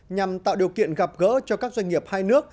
nhằm tạo điều kiện gặp gỡ cho các doanh nghiệp hai nước